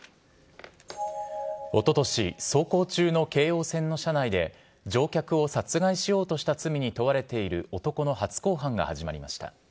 おととし、走行中の京王線の車内で乗客を殺害しようとした罪に問われている男の初公判が始まりました。